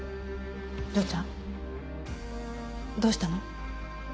丈ちゃん？どうしたの？